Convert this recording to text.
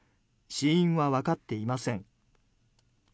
死因は分かっていません。